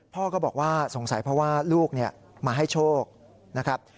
พ่อก็บอกว่าสงสัยเพราะว่าลูกมาให้โชคนะครับ